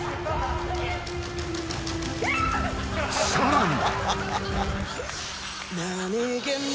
［さらに］